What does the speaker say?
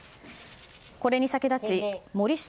これに先立ち森下